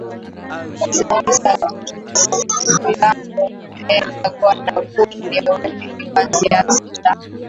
za Kiislamu Erdogan na Gul ni warithi wa siasa za